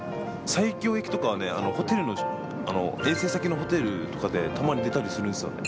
西京焼きとかはホテルの、遠征先のホテルとかでたまに出たりするんですよね。